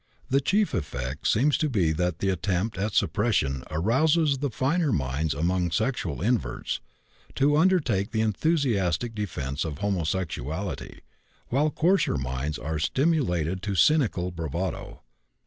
The chief effect seems to be that the attempt at suppression arouses the finer minds among sexual inverts to undertake the enthusiastic defense of homosexuality, while coarser minds are stimulated to cynical bravado.